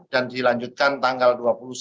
dilanjutkan tanggal dua puluh satu